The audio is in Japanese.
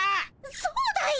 そうだよ。